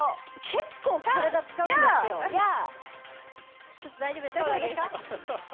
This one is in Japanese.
結構、体使うんですよ。やー。